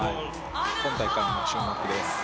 今大会も注目です。